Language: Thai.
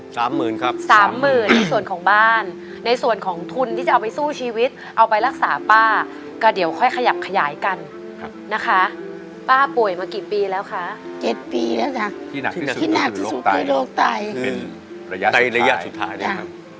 สามหมื่นครับสามหมื่นในส่วนของบ้านในส่วนของทุนที่จะเอาไปสู้ชีวิตเอาไปรักษาป้าก็เดี๋ยวค่อยขยับขยายกันครับนะคะป้าป่วยมากี่ปีแล้วคะเจ็ดปีแล้วจ้ะที่หนักที่สุดที่หนักที่โรคไตเป็นระยะในระยะสุดท้ายเนี่ยครับ